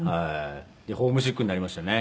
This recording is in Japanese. ホームシックになりましたね。